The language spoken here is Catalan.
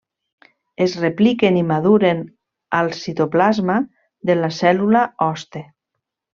Es repliquen i maduren al citoplasma de la cèl·lula hoste.